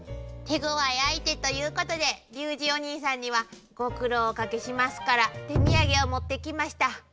手ごわい相手ということでリュウジおにいさんにはご苦労をおかけしますから手土産を持ってきました。